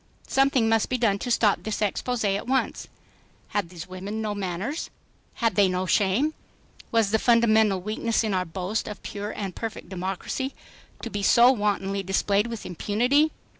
Something must be done to stop this expose at once. Had these women no manners? Had they no shame? Was the fundamental weakness in our boast of pure and perfect democracy to be so wantonly displayed with impunity?